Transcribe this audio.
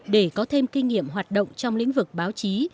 để có thêm kinh nghiệm hoạt động trong lĩnh vực báo chí